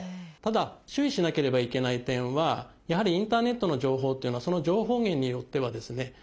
ただ注意しなければいけない点はやはりインターネットの情報っていうのはその情報源によってはですね